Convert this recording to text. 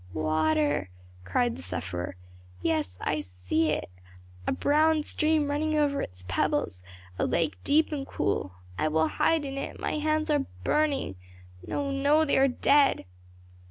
"Water!" cried the sufferer. "Yes, I see it a brown stream running over its pebbles a lake deep and cool. I will hide in it, my hands are burning no, no, they are dead."